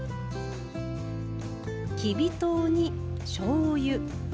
きび糖にしょうゆ・酒。